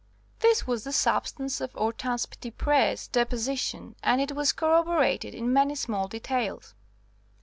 This was the substance of Hortense Petitpré's deposition, and it was corroborated in many small details.